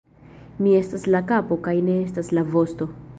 Mi estas la kapo, kaj ne estas la vosto!